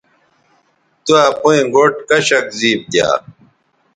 تو اپئیں گوٹھ کشک زیب دیا